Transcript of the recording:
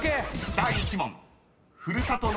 ［第１問］